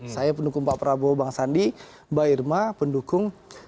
saya pendukung pak prabowo bang sandi mbak irma pendukung